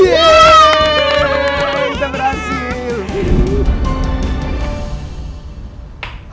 yeayyyy kita berhasil